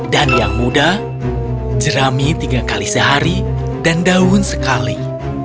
dan yang muda jerami tiga kali sehari dan daun sekali